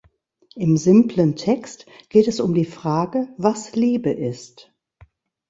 Im simplen Text geht es um die Frage, was Liebe ist.